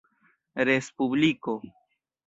respubliko